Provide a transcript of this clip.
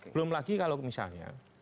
belum lagi kalau misalnya